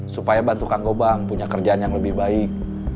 supaya bantu kang gobang punya kerjaan yang lebih baik